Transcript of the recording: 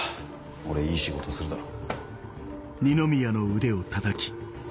俺いい仕事するだろ？